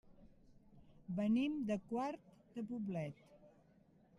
Venim de Quart de Poblet.